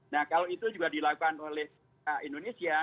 nah kalau itu juga dilakukan oleh indonesia